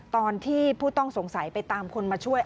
ตอนที่ผู้ต้องสงสัยไปตามคนมาช่วย